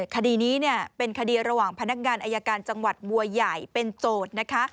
คดีนี้เป็นคดีระหว่างพนักงานอายการจังหวัดบัวใหญ่เป็นโจทย์นะคะ